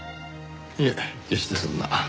いえ決してそんな。